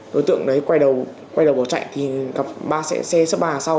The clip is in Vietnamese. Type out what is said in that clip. đối tượng đấy quay đầu bỏ chạy gặp ba xe xếp ba sau